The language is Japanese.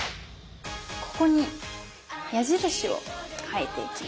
ここに矢印を書いていきます。